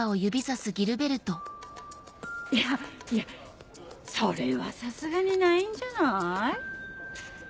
いやいやそれはさすがにないんじゃない？